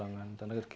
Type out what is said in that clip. tenaga kerja yang